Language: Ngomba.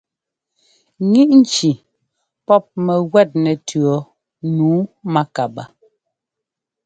Ŋíʼ nci pɔ́p mɛguɛt nɛtʉ̈ɔ nǔu mákabaa.